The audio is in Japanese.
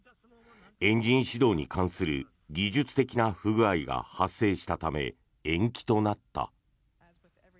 エンジン始動に関する技術的な不具合が発生したため延期となった。